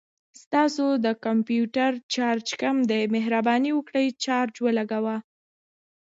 ستاسو د کمپوټر چارج کم دی، مهرباني وکړه چارج ولګوه